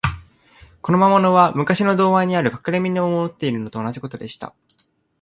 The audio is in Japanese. この魔物は、むかしの童話にある、かくれみのを持っているのと同じことでした。